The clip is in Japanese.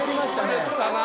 滑ったな。